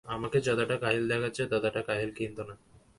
আমাকে যতটা কাহিল দেখাচ্ছে, ততটা কাহিল কিন্তু না।